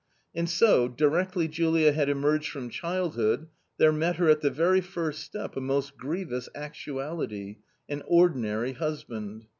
And so, directly Julia had emerged from childhood, there met her at the very first step a most grievous actuality — an ordinary husband